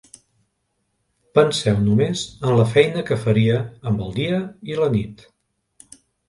Penseu només en la feina que faria amb el dia i la nit!